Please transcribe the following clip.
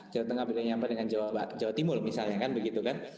jawa tengah bedanya sampai dengan jawa timur misalnya kan begitu kan